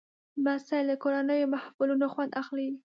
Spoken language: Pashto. لمسی له کورنیو محفلونو خوند اخلي.